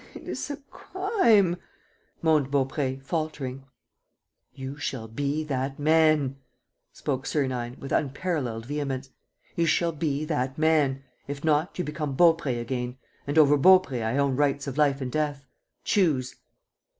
"It is a crime!" moaned Baupré, faltering. "You shall be that man!" spoke Sernine, with unparalleled vehemence. "You shall be that man! If not, you become Baupré again; and over Baupré I own rights of life and death. Choose."